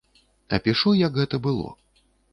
Апішу, як гэта было.